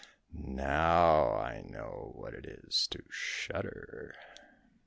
Ah! now I know what it is to shudder!"